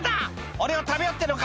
俺を食べようってのか」